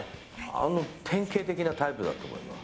あの典型的なタイプだと思います。